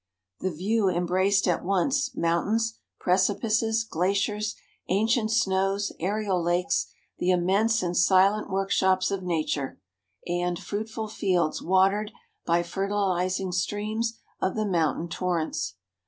The view embraced at once mountains, precipices, glaciers, ancient snows, aerial lakes, the immense and silent workshops of nature, and fruitful fields watered by fertilising streams of the mountain tor¬ rents.